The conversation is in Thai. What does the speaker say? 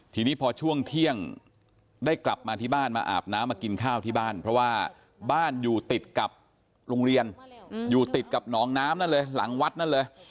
ทีนี้พอช่วงเที่ยงได้กลับมาที่บ้านมาอาบน้ำมากินข้าวที่บ้านเพราะว่าบ้านอยู่ติดกับโรงเรียนอยู่ติดกับหนองน้ำนั่นเลยหลังวัดนั่นเลย